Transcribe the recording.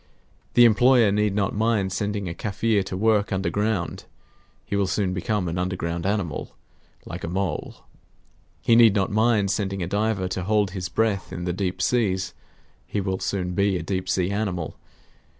The employer need not mind sending a Kaffir to work underground; he will soon become an underground animal, like a mole. He need not mind sending a diver to hold his breath in the deep seas; he will soon be a deep sea animal.